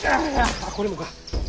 あっこれもか。